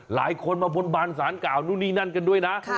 หลายคนมาบนบานสารกล่าวนู่นนี่นั่นกันด้วยนะ